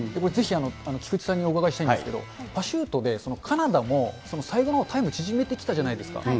ぜひ菊池さんにお伺いしたいんですけど、パシュートでカナダも最後のほう、タイムを縮めてきたじゃないですか。